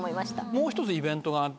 もう１つイベントがあって。